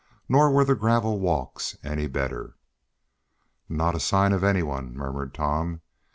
Nor were the gravel walks any better. "Not a sign of any one," murmured Tom.